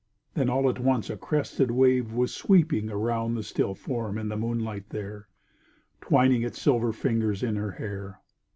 Then all at once a crested wave was sweeping Around the still form in the moonlight there, Twining its silver fingers in her hair....